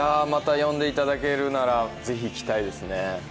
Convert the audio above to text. また呼んでいただけるならぜひ来たいですね。